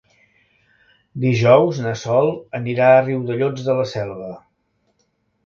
Dijous na Sol anirà a Riudellots de la Selva.